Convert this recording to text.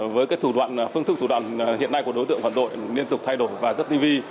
với cái thủ đoạn phương thức thủ đoạn hiện nay của đối tượng quản đội liên tục thay đổi và rất tinh vi